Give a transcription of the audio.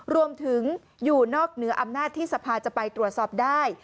รวมถึงอยู่นอกเหนืออำนาจที่สภาจะไปตรวจสอบได้